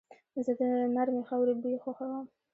زه د نرمې خاورې بوی خوښوم.